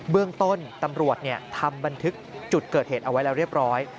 เรื่องต้นตำรวจทำบันทึกจุดเกิดเหตุเอาไว้แล้วเรียบร้อย